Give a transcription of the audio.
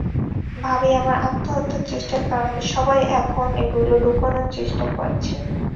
ভাবি, আমার আত্মহত্যার চেষ্টার কারণে সবাই এখন এগুলো লুকানোর চেষ্টা করছে।